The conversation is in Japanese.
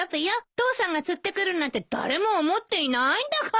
父さんが釣ってくるなんて誰も思っていないんだから。